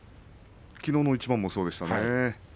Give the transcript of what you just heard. きのうの一番もそうでしたね